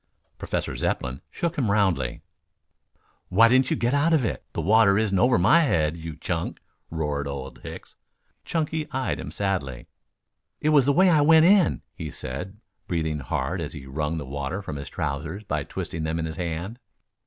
Professor Zepplin shook him roundly. "Why didn't you get out of it? The water wasn't over my head, you Chunk," roared Old Hicks. Chunky eyed him sadly. "It was the way I went in," he said, breathing hard as he wrung the water from his trousers by twisting them in his hand.